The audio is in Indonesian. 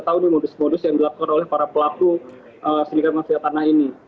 untuk menunjukkan bahwa ini modus modus yang dilakukan oleh para pelaku sindiket mafia tanah ini